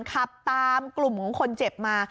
ขับตามกลุ่มของคนเจ็บมา